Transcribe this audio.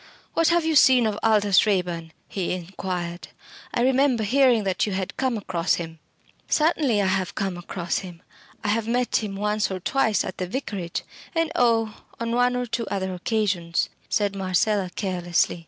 "What have you seen of Aldous Raeburn?" he inquired. "I remember hearing that you had come across him." "Certainly I have come across him. I have met him once or twice at the Vicarage and oh! on one or two other occasions," said Marcella, carelessly.